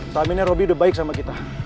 selama ini robby udah baik sama kita